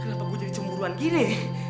kenapa gue jadi cemburu an gini